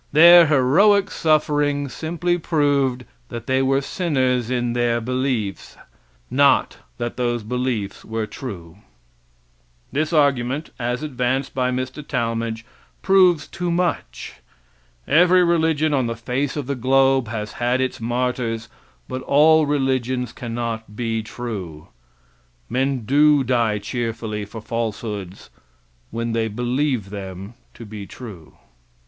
Their heroic suffering simply proved that they were sinners in their beliefs, not that those beliefs were true. This argument, as advanced by Mr. Talmage, proves too much. Every religion on the face of the globe has had its martyrs, but all religions cannot be true. Men do die cheerfully for falsehoods when they believe them to be true.